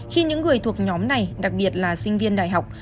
khi những người thuộc nhóm này đặc biệt là sinh viên đại học